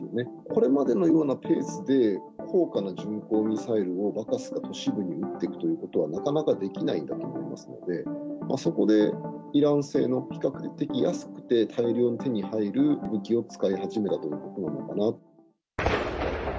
これまでのようなペースで、高価な巡航ミサイルをばかすか都市部に撃っていくということは、なかなかできないんだと思いますので、そこでイラン製の比較的安くて、大量に手に入る武器を使い始めたというところなのかなと。